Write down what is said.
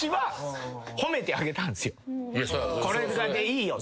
これでいいよと。